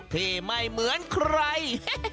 ที่ไม่เหมือนใคร